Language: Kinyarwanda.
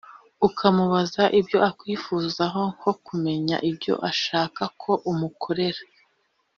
ukamubaza ibyo akwifuzaho nko kumenya ibyo ashaka ko umukorera